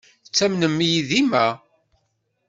Tettamen-iyi dima.